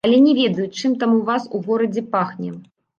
Але не ведаю, чым там у вас у горадзе пахне.